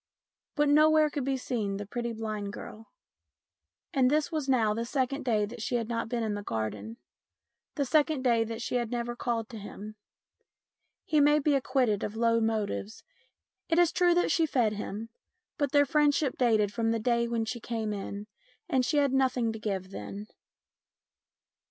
But nowhere could be seen the pretty blind girl. And this was now the second day that she had not been in the garden, the second day that she had never called to him. He may be acquitted of low motives. It is true that she fed him, but their friendship dated from the day when she came in, and she had nothing to give then.